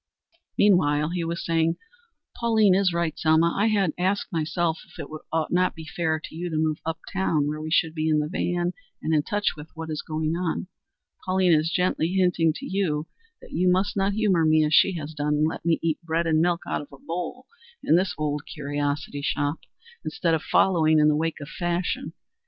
Meanwhile he was saying: "Pauline is right, Selma. I had already asked myself if it would not be fairer to you to move uptown where we should be in the van and in touch with what is going on. Pauline is gently hinting to you that you must not humor me as she has done, and let me eat bread and milk out of a bowl in this old curiosity shop, instead of following in the wake of fashion.